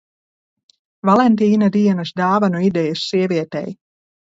Valentīna dienas dāvanu idejas sievietei.